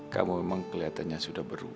kamu memang keliatannya sudah berubah